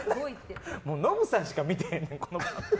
ノブさんしか見てへんって。